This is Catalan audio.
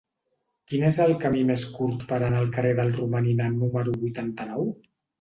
Quin és el camí més curt per anar al carrer del Romaninar número vuitanta-nou?